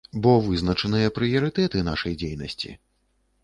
Бо вызначаныя прыярытэты нашай дзейнасці.